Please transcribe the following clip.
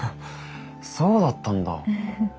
そうだったんだ。